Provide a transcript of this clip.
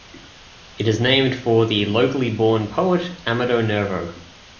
It is named for the locally born poet Amado Nervo.